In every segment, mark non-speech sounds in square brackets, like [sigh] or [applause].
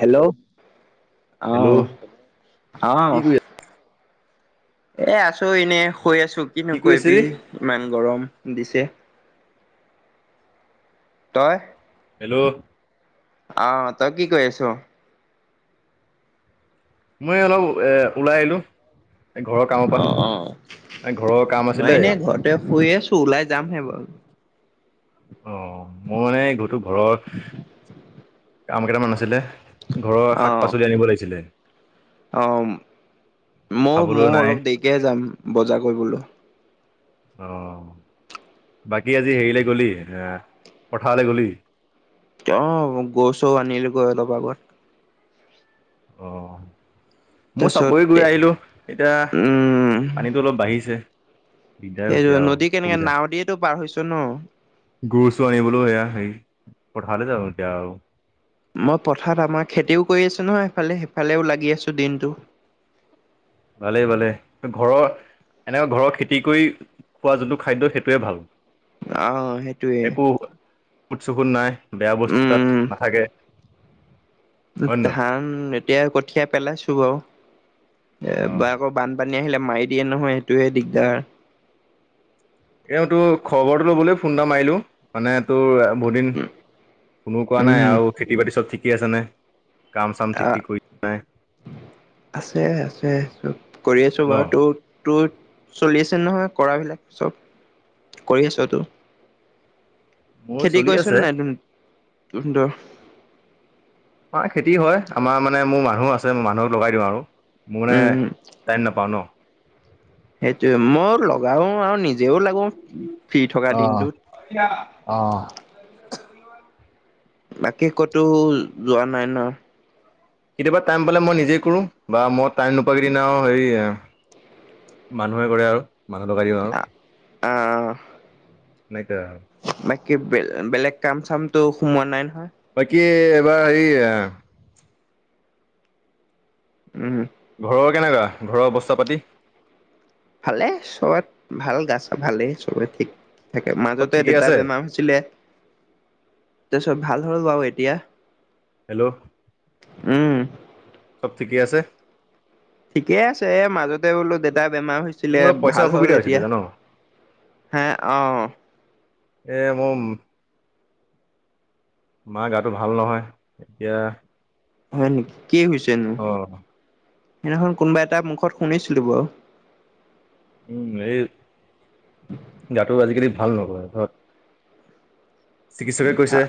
Hello hello অ' কি অ', কৰি এ আছো এনে শুই আছো কিনো কি কৰি কৈবি আছিলি? ইমান গৰম দিছে তই হেল্ল' অ', তই কি কৈ আছো মই অলপ এ ওলাই আহিলো ঘৰৰ কামৰ পৰা অ অ ঘৰৰ কাম মই আছিলে এনে ঘৰতে শুই আছো ওলাই যামহে বাৰু অ' মোৰ মানে গটো ঘৰৰ কাম কেইটামান আছিলে ঘৰৰ অ শাক পাচলি আনিব লাগিছিলে অ' মই খাবলৈ মউ নাই অলপ দেৰিকেহে যাম বজাৰ কৰিবলৈ অ', বাকী আজি হেৰিলে গ'লি এ পথাৰলৈ গলি অ' গউ চউ আনিলোগে অলপ আগত অ', মই চাপৰি তাৰপিছত গৈ আহিলো এতিয়া উম পানীটো অলপ বাঢ়িছে দিগদাৰ হৈছে সেইযোৰ আৰু নদী কেনেকে অসুবিধা নাাৱেদিয়েটো পাৰ হৈছো ন গৰু চৰু আনিবলেও সেয়া সেই পঠালে যাম এতিয়া আৰু মই পথাৰ আমাৰ খেতিও কৰি আছো ন সেফালে সেইফালেও লাগি আছো দিনতো ভালেই ভালেই ঘৰৰ এনেকা ঘৰৰ খেতি কৰি খোৱা যোনটো খাদ্য সেইটোৱে ভাল অ', সেইটোয়ে ঔষত চকুত নাই বেয়া বস্তু তাত নাথাকে হয় নে ধান এতিয়া কঠিয়া পেলাইছো বাৰু এ নহয় অ বা আকৌ বানপানী পানী আহিলে মাৰি দিয়ে নহয় সেইটোয়ে দিগদাৰ এ তোৰ খবৰটো ল'বলৈ ফোন এটা মাৰিলো মানে তোৰ বহুত দিন ফোনো কৰা নাই উম, আৰু খেতি বাতি চব ঠিকে আছে নে কামচাম আ- থিকি কৰিছনে নাই আছে আছে চব কৰি আছো ন বাৰু তোৰ তোৰ চলি আছে নহয় কৰাবিলাক চব কৰি আছতো মোৰ খেতি চলি কৰিছিন আছে নাই ত তহতৰ আমাৰ খেতি হয় আমাৰ মানে মোৰ মানুহ আছে মই মানুহক লগাই দিওঁ আৰু ম মনে উম, টাইম নাপাও ন সেইটোয়ে ময়ো লগাও আৰু নিজেও লাগো ফি থকা অ দিনটোত অ [unintelligible] বাকী ক'তো যোৱা নাই ন কেতিয়াবা টাইম পালে মই নিজেই কৰো বা মই টাইম নোপোৱা কিদিন আৰু হেৰি মানুহে কৰে আৰু মানুহ লগাই দিওঁ আৰু অ', এনেকে আউ বাকী বে বেলেগ কাম চামটো সোমোৱা নাই নহয়। বাকি এবাৰ এই উম ঘৰৰ কেনেকা ঘৰৰ অৱস্থা পাতি ভালে চবত ভাল গাছা ভালেই চবে ঠিক। থাকে চব মাজতে ঠিকেই দেতা আছে বেমাৰ হৈছিলে এতিয়া চব ভাল। হ'ল বাৰু এতিয়া। হেল্ল' উম চব ঠিকেই আছে? ঠিকে আছে এহ মাজতে বোলো দেতা বেমাৰ হৈছিলে মোৰ অলপ পইচা ভাল হ'ল অসুবিধা হৈছিলে এতিয়া জান হে অ', এহ মম মা গাটো ভাল নহয় এতিয়া হয় নেকি কি হৈছেনো? অ সেইদিনাখন কোনোবা এটা মুখত শুনিছিলো বাৰু। উম এই গাটো আজিকালি ভাল নহয় চিকিৎসকে কৈছে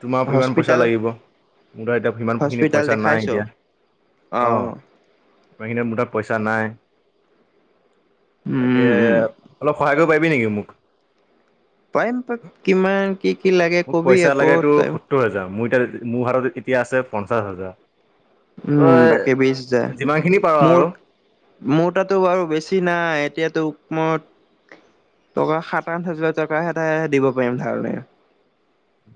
তোমাক ইমান পইচা হস্পিতাল লাগিব মোৰ ধৰা এতিয়া সিমানখিনি হস্পিতাল পইচা দেখাইছ নাই এতিয়া অ', মোৰ তাত এতিয়া পইচা নাই। তাকে উম উম অলপ সহায় কৰিব পাৰিবি নেকি মোক? পাৰিম তাক কিমান কি কি লাগে মোক কবি পইচা আকৌ লাগে তোৰ ত সত্তৰ হাজাৰ মোৰ হাতত এতিয়া আছে পঞ্চাশ হাজাৰ উম তই বাকী বিছ হাজাৰ যিমান খিনি পাৰ মোৰ আৰু মোৰ তাতো বাৰু বেছি নাই এতিয়াতো মই টকা সাত আঠ হাজাৰ টকা এটাহে দিব পাৰিম ধাৰলে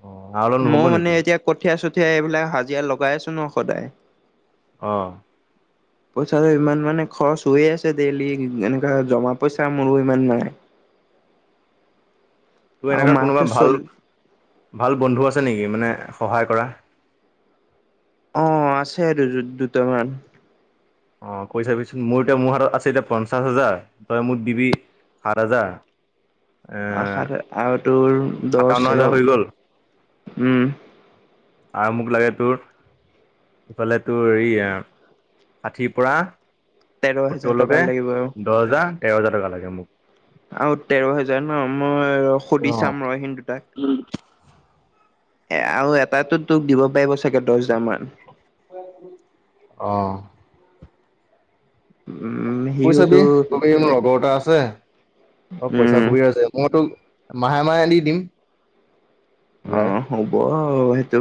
অ আৰু অলপ নহ'ব মই মানে নেকি এতিয়া কঠীয়া চঠীয়া এইবিলাক হাজিৰা লগাই আছো ন সদায় অ', পইচাটো ইমান মানে খৰচ হৈয়ে আছে ডেইলি এনেকা জমা পইচা মোৰো ইমান নাই। [unintelligible] তোৰ আৰু এনেকুৱা কোনোবা মাহটো ভাল চল ভাল বন্ধু আছে নেকি মানে সহায় কৰা অ', আছে দুটামান। অ', কৈ চাবিচোন মোৰ এতিয়া মোৰ হাতত আছে এতিয়া পঞ্চাশ হাজাৰ তই মোক দিবি আঠ হাজাৰ এ আশাত আৰু তোৰ দহ সাতাৱন্ন হাজাৰ এঘাৰ, হৈ গ'ল উম আৰু মোক লাগে তোৰ ইফালেতো হে ষাঠিৰ পৰা তেৰ হেজাৰ টকা সত্তৰলৈকে লাগিব আৰু। দহ হাজাৰ তেৰ হাজাৰ টকা লাগে মোক। আৰু তেৰ হেজাৰ ন মই সুধি অ চাম ৰহ সিহঁত দুটাক এহ আৰু এটাতো তোক দিব পাৰিব চাগে দহ হেজাৰ মান অ', উম কৈ সিওতো চাবি কবি মোৰ লগৰ এটা আছে অ', পইচা উম অসুবিধা আছে মই তোক মাহে মাহে দি দিম। ঘূৰাই অ', হ'ব সেইটো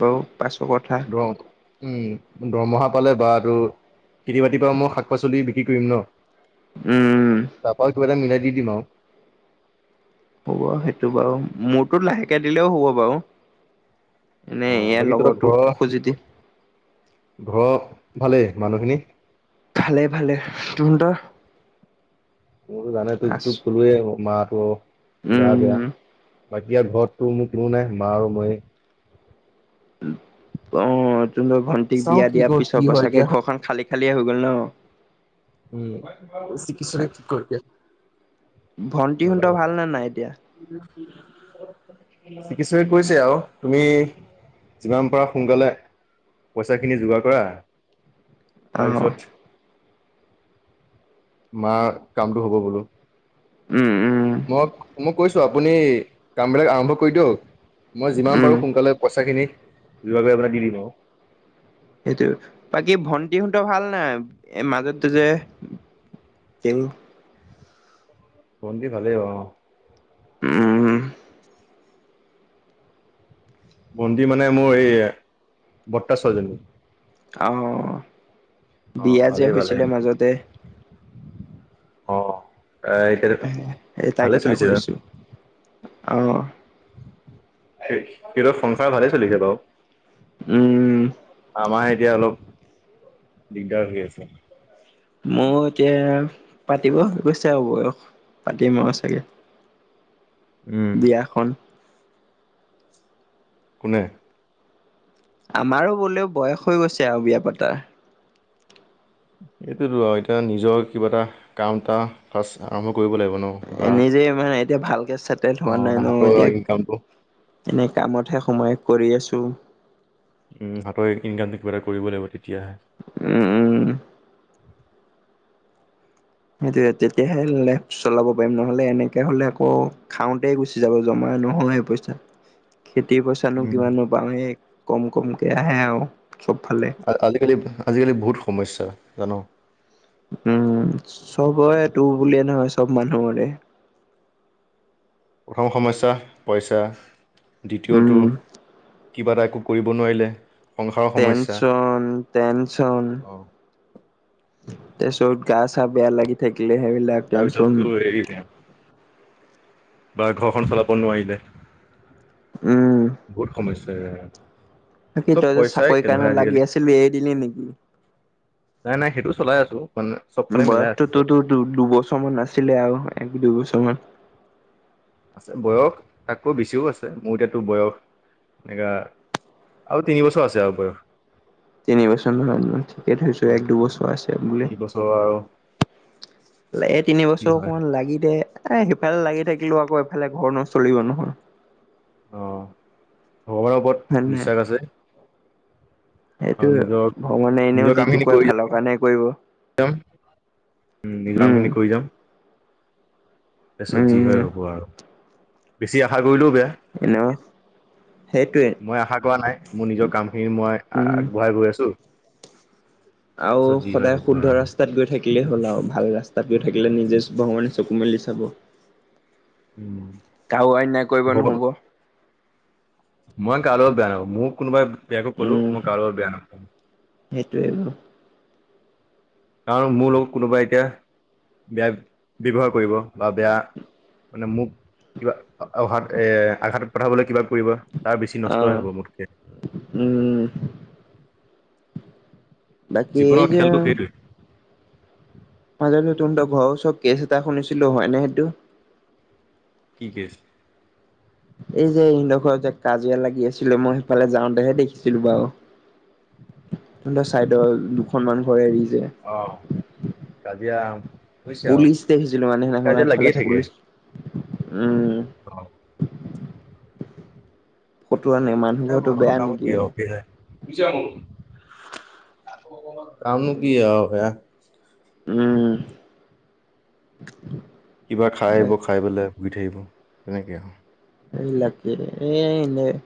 বাৰু পাছৰ কথা ধৰ উম দৰমহা পালে বা এইটো খেতি বাতিৰ পৰা মই শাক পাচলি বিক্ৰী কৰিম ন উম তাৰপা কিবা এটা মিলাই দি দিম আৰু হ'ব সেইটো বাৰু মোৰতো লাহেকে দিলেও হ'ব বাৰু এনে অ ইয়াৰ বাকী তহঁতৰ লগৰটো ঘৰৰ খুজি দিম ঘৰৰ ভালেই মানুহখিনি? ভালে ভালে তহঁতৰ? মোৰ জানইতো আছ যিটো কলোৱে মা টো উম গা বেয়া বাকী এতিয়া ঘৰততো মোৰ কোনো নাই মা আৰু ময়ে অ', তুমিটো ভন্টিক বিয়া দিয়া পিছৰ পা চাগে ঘৰখন খালি খালি হৈ হৈ গ'ল ন উম চিকিৎসাে কি কৰিলে ভণ্টি হতৰ ভাল নে নাই এতিয়া? [inaudible] চিকিৎসে কৈছে আৰু তুমি যিমান পাৰা সোনকালে পইচাখিনি যোগাৰ কৰা। অ তাৰপিছত মা কামটো হ'ব বোলো। উ, উ। মই কৈছো আপুনি কাম বিলাক আৰম্ভ কৰি দিয়ক মই যিমান উম পাৰোঁ সোনকালে পইচাখিনি লাগে আপোনাক দি দিম আও। সেইটো বাকী ভন্টিহত ভাল নাই মাজতো যে। তেওঁ। ভণ্টি ভালে অ'। উম হ। ভন্তি মানে মোৰ এই বট্টা ছোৱালীজনী? অহ, অ বিয়া যে ভালেই ভালেই হৈছিলে মাজতে। অ', আইতাৰো সেই ভালে চলিছিল আও। আও। এই, ইহঁতৰ সংসাৰ ভালেই চলিছে বাও। উম, আমাৰ এতিয়া অলপ দিগদাৰ হৈ আছে। মই এতিয়া পাতিব হৈ গৈছে আৰু বয়স পাতিম আও চাগে। [inaudible] উম বিয়াখন। কোনে? আমাৰো বুলেও বয়স হৈ গৈছে আও বিয়া পাতা। এইটোতো আও এতিয়া নিজৰ কিবা এটা কামতা ফাছ আৰম্ভ কৰিব লাগিব ন বা এনে যে ইমান এতিয়া ভালকে চেটেল অ হোৱা নাই ন' হাতৰ এতিয়া ইনকামটো এনে কামতহে সময় কৰি আছ উম, হাতৰ ইনকামদি কিবা এটা কৰিব লাগিব তি উ, উ। সেইটোৱে তেতিয়াহে লাইফ চলাব পাৰিম নহ'লে এনেকে হ'লে আকৌ খাওঁতে গুচি যাব জমা। এ, নহ'য়ে পইচা। [inaudible] খেতি পইচানো উম কিমানো পাওঁ। এ কম কমকে আহে আও। আ-আজিকালি আজিকালি বহুত সমস্যা জান'। উম, চবৰে তোৰ বুলিয়ে নহয় চব মানুহৰে। প্ৰথম সমস্যা পইচা। উম দ্বিতীয়টো কিবা এটা একো কৰিব নোৱাৰিলে। সংসাৰৰ সমস্যা টেনচন, টেনচন। অ তাৰপিছত গা চা বেয়া লাগি থাকিলে সেইবিলাক তাৰপিছততো টেনচন। হেৰি বা ঘৰখন চলাব নোৱাৰিলে। উম বহুত সমস্যা এয়া। বাকি তই যে চাকৰি কাৰণে লাগি আছিলি এৰি দিলি নেকি? নাই নাই সেইটো চলাই আছো। মানে চবফালে মিলাই বয়খ আছো ত টু-টু-টু-টু দুবছৰমান আছিলে আও এক দুইবছ মান। আছে বয়স তাতকৈ বেছিও আছে মোৰ এতিয়া তোৰ বয়স এয়া আৰু তিনি বছৰ আছে আও বয়। তিনিবছৰ মই ঠিকেই ধৰিছোঁ এক দুবছৰ আছে বুলি। তিনি বছৰ আৰু লা, এই কি তিনিবছৰ হয় অকমান লাগি দে। এ, সিফালে লাগি থাকিলেও আকৌ এফালে ঘৰ নচলিব নহয়। অ', ভগৱানৰ ওপৰত বিশ্বাস আছে। আৰু সেইটোৱে নিজৰ ভগৱানে এনেও নিজৰ যিটো কামখিনি কৰে কৰি ভালৰ কাৰণে কৰিব। উম, নিজ কামখিনি কৰি যাম। পেছত যি হয় উম, হ'ব আৰু বেছি আশা কৰিলেও বেয়া এনেও সেইটোৱে মই আশা কৰা নাই, মোৰ নিজৰ কামখিনি মই উম। আগবঢ়াই গৈ আছো আৰু হয় সদায় হ'ব শুদ্ধ আৰু ৰাস্তাত গৈ থাকিলে হ'ল আৰু ভাল ৰাস্তাত গৈ থাকিলে নিজে শিব ভগৱানে চকু মেলি চাব উম, কাৰো আন্যাই কৰিব হ'ব নুশব মই কালৈ বেয়া নাপাওঁ, মোক কোনোবাই বেয়াকৈ কলেওঁ উম, মই কাৰ' বেয়া নাপাওঁ সেইটোৱে আৰু কাৰণ মোৰ লগত কোনোবাই এতিয়া বেয়া ব্যৱহাৰ কৰিব বা বেয়া মানে মোক কিবা অঘাত এ আঘাতত পঠাবলৈ কিবা তাৰ বেছি নষ্টই অ', হ'ব মোতকে উম। বাকী এই জীৱনৰ যে খেলটো সেইটোৱে মই জানো তুম ত ঘৰ চব কেচ এটা শুনিছিলো হয় নে সেইটো কি কেছ এই যে সডো ঘৰত যে কাজিয়া লাগি আছিলে মই সেইফালে যাওঁতেহে দেখিছিলো বাৰু [inaudible] তহঁতৰ চাইদৰ দুখনমানান ঘৰে এৰি যে। অ কাজিয়া বুজিছা পুলিচ দেখিছিলোঁ মানে আৰু সেইদিনাখন কাজে আগফালে লাগিয়ে থাকে পুলিচ উম। অ' ফটো আনে মানুহ ঘৰটো বেয়া মানৰ নেকি এনে? কামত [unintelligible] কাম কি আৰু উম কিবা খাই আহিব খাই পেলাই ভুগি থাকিব তেনেকে আৰু লকে [unintelligible]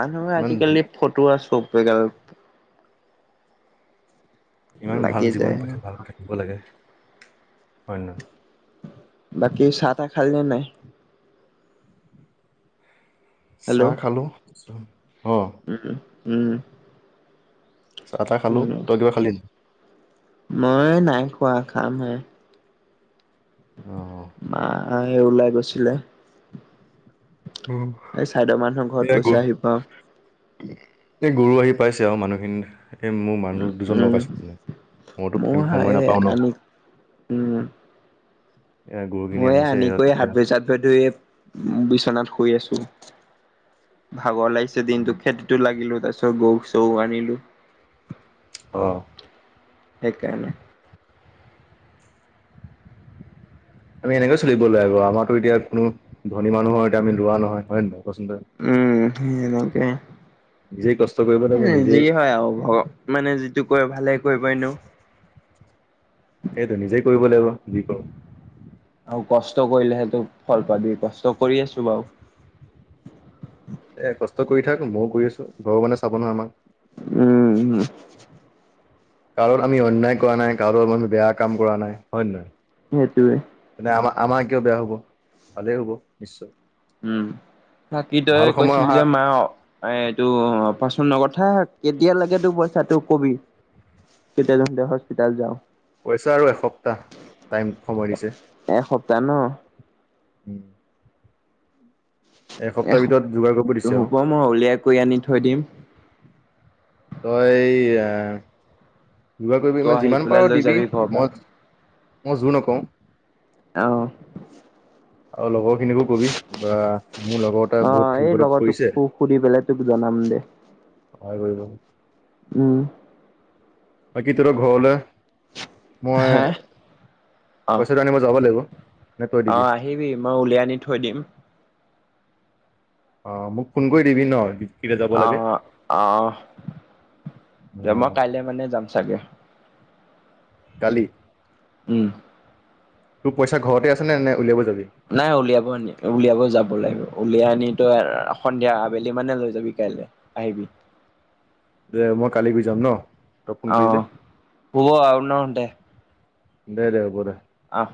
মানুহৰ ইমান আজিকালি ফটোৱা চব বোল ইমান ভাল লাগি জীৱন যায় পাৰে ভালক থাকিব লাগে অন্য বাকী চাহ তাহ খালি নে নাই হেল্ল' চাহ খালো অ উম, উম চাহ তাহ খালো তই কিবা খালি মই নাই, খোৱা খাম হে অ ম আহ ওলাই গৈছিলে উম, এই চাইদ মানুহৰ ঘৰত গৈছে আহি পাও এ গৰু আহি পাইছে আৰু মানুহখিনি এই মোৰ উম মানুহ দুজন উম লগাইছে মানে মইতো মোৰ টাইম সময় এই নাপাওঁ ন আনি উম এ গৰুখিনি মই আনিছে আনি ইহঁত কৰি এতিয়া সাত ভৰি চাত বে ধৰি এ বিচনাত শুই আছো ভাগৰ লাগিছে দিনতটো খেতিতো লাগিলো তাৰিছত চ গৌ চৌ আনিলো আহ সেইকাৰণে আমি এনেকে চলিব লাই বু আমাৰতো এতিয়া কোনো ধনী মানুহৰ এতিয়া আমি লোৱা নহয় হয় নে বু পচন্দ উ, নকে কষ্ট কৰিব লাগিব যি নিজেই হয় আৰু মানে যিটো ক ভালে কৰিব এনো সেইটো নিজেই কৰিব লাগিব য কওঁ আৰু কষ্ট কৰিলেহেতো ফল পাবি কষ্ট কৰি আছো বাৰু এ, কষ্ট কৰি থাক ময়ও কৰি আছো ঘৰৰ মানে চাব নহয় আমাক উম কাৰো আমি অন্যায় কৰা নাই কাৰো বেয়া কাম কৰা নাই হয় নে নহয় সেইটোৱে তেনে আমাৰ আমাৰ কিয়ও বেয়া হব ভালেই হব নিশ্চয় উম থাকি তই ভাল সময় কৈছিলি অহা যে মা এইটো পাচনৰ কথা কেতিয়া লাগেত তোৰ পইচা তোক কবি কেতিয়া যন দে হস্পিতোল যাও পইচা আৰু এসপ্তাহ টাইম সময় দিছে দান উম এ এসপ্তাহৰ ভিতৰত যোগাৰ কৰিব ত দিছে আৰু হব মই উলিয়াই কৰি আনি থৈ দিম তই এই আহ যোগাৰ কৰিবি তই মানে আহি যিমান পেলাই পাৰো লৈ দিবি যাবি ঘৰৰ পৰা। মই মই জোৰ নকওঁ আহ আৰু লগৰ খিনিকো কবি বা মোৰ লগৰতে অ বহুত হেৰি এই বিপদত লগৰটোক পৰিছে সুধি পেলাই তোক জনাম সহায় কৰিব উ বাকী তোৰ ঘৰলৈ মই হে অ। পইচাটো আনি মই যাব লাগিব নে তই দিবি অ', আহিবি মই উলিয়াই আনি থৈ দিম অ মোক ফোন কৰি দিবি ন কেতিয়া যাব লাগে আহ অ অ আহ মই কাইলে মানে যাম চাগে কালি উম তোৰ পইচা ঘৰতে আছে নে নে উলিয়াব য নাই উলিয়াব নি উলিয়াব যাব লাগিব উলিয়াই আনি তই সন্ধিয়া আবেলি মানে লৈ যাবি কাইলৈ আহিবি দে মই কালি গৈ যাম ন তই ফোন অ কৰিলে পব আওন দেে দে দে হব দে আহ